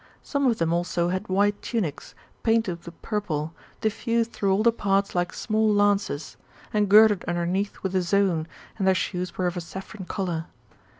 Some of them also had white tunics, painted with purple, diffused through all the parts like small lances, and gird^ underneath with^ zone, and their shoes were of a saffron colour.